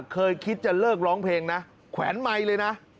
เคยคิดจะเลิกร้องเพลงนะแขวนไมค์เลยนะ